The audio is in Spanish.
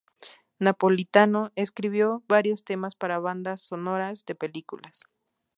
Napolitano escribió varios temas para bandas sonoras de películas.